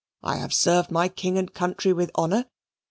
I have served my King and country with honour.